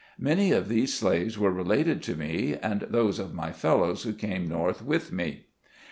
Many of these slaves were related to me, and those of my fellows who came North with me.